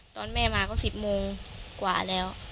ตอนแม่มาก็๑๐โมงกว่าแล้ว